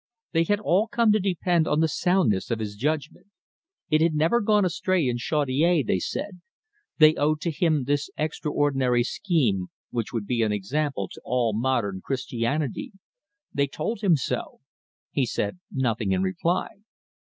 They had all come to depend on the soundness of his judgment. It had never gone astray in Chaudiere, they said. They owed to him this extraordinary scheme, which would be an example to all modern Christianity. They told him so. He said nothing in reply.